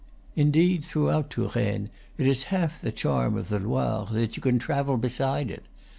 Indeed, throughout Touraine, it is half the charm of the Loire that you can travel beside it.